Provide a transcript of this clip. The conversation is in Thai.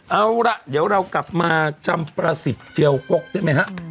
เออุมเราจะกลับความจำที่ประสิทธิ์เจียวกลกได้ไหม